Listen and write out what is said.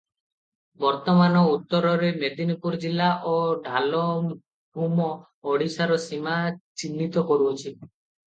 ବର୍ତ୍ତମାନ ଉତ୍ତରରେ ମେଦିନୀପୁର ଜିଲ୍ଲା ଓ ଢ଼ାଲଭୂମ ଓଡ଼ିଶାର ସୀମା ଚିହ୍ନିତ କରୁଅଛି ।